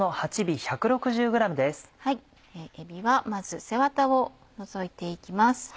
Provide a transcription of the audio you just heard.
えびはまず背ワタを除いて行きます。